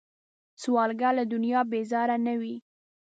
سوالګر له دنیا بیزاره نه وي